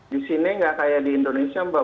di sini nggak kayak di indonesia mbak